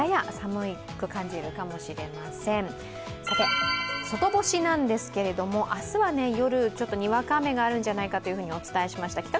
さて、外干しなんですけれども、明日は夜、にわか雨があるんじゃないかとお伝えしました。